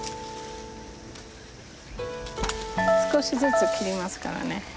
少しずつ切りますからね。